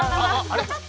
あれ？